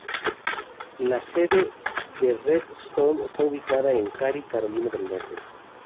La sede de Red Storm está ubicada en Cary, Carolina del Norte.